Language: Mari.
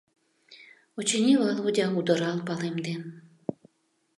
Очыни, Володя удырал палемден.